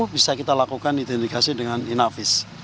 bisa kita lakukan identifikasi dengan inavis